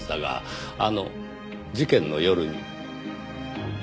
あの事件の夜に。